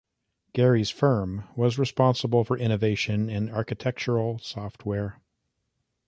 Gehry's firm was responsible for innovation in architectural software.